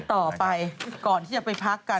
ต่อไปก่อนที่จะไปพักกัน